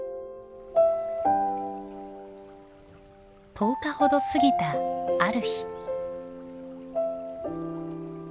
１０日ほど過ぎたある日。